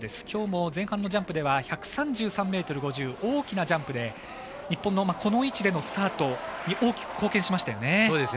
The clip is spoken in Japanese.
きょうも前半のジャンプでは１３３ｍ５０大きなジャンプで日本のこの位置でのスタートに大きく貢献しましたよね。